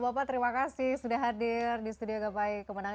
bapak terima kasih sudah hadir di studio gapai kemenangan